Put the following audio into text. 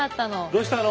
どうしたの？